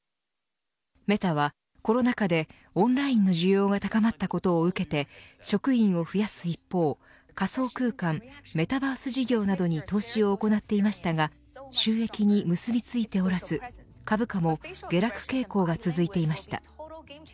メタはコロナ禍でオンラインの需要が高まったことを受けて職員を増やす一方仮想空間メタバース事業などに投資を行っていましたが収益に結びついておらず株価も下落傾向が続いていました。